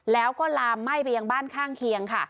แล้วก็ลามไหม้ไปยังบ้านข้างเคียงค่ะ